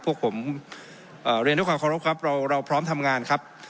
พวกผมเอ่อเรียนด้วยความขอรบครับเราเราพร้อมทำงานครับ